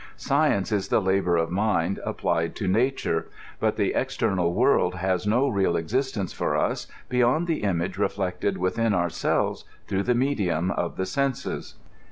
Science is the labor of mind applied to nature, but the ex ternal world haB no real existence for us beyond the image reflected within ourselves through the medium of the senses.